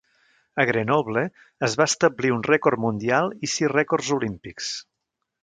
A Grenoble es va establir un rècord mundial i sis rècords olímpics.